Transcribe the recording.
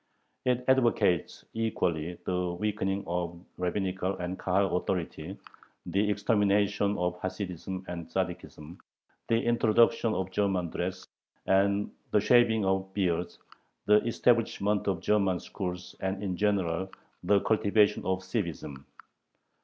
It advocates equally the weakening of rabbinical and Kahal authority, the extermination of Hasidism and Tzaddikism, the introduction of German dress, the shaving of beards, the establishment of German schools, and in general the cultivation of "civism."